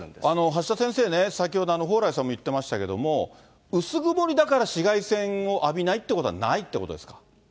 橋田先生ね、先ほど蓬莱さんも言ってましたけれども、薄曇りだから紫外線を浴びないってことはないってことですか。